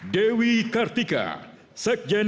dewi kartika sekjenis